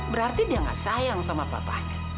berarti dia gak sayang sama papanya